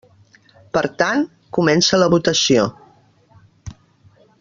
Per tant, comença la votació.